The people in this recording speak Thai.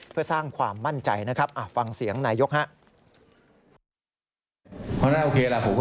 เพื่อสร้างความมั่นใจนะครับ